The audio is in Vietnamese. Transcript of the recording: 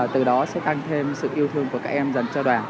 từ đó sẽ tăng thêm sự yêu thương của các em dành cho đoàn